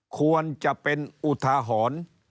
ควรจะเป็นอุทาหรณ์